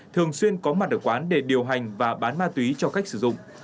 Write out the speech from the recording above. thường xuyên có mặt ở quán để điều hành và bán ma túy cho khách sử dụng